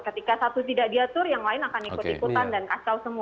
ketika satu tidak diatur yang lain akan ikut ikutan dan kasau semua